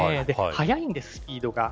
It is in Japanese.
速いんですよ、スピードが。